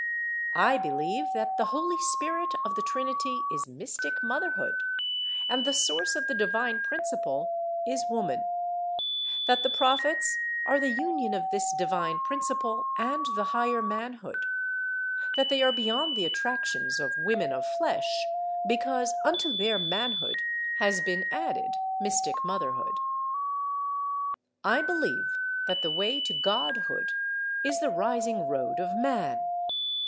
I believe that the Holy Spirit of the Trinity is Mystic Motherhood, and the source of the divine principle is Woman; that the prophets are the union of this divine principle and the higher manhood; that they are beyond the attractions of women of flesh, because unto their manhood has been added Mystic Motherhood.... I believe that the way to Godhood is the Rising Road of Man.